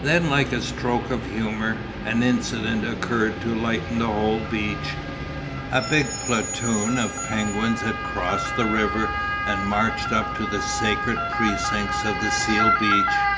Then, like a stroke of humour, an incident occurred to lighten the whole beach. A big platoon of penguins had crossed the river and marched up to the sacred precincts of the seal beach.